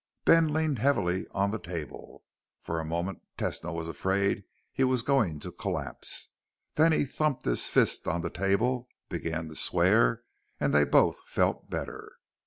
Ben leaned heavily on the table. For a moment Tesno was afraid he was going to collapse. Then he thumped his fist on the table, began to swear, and they both felt better.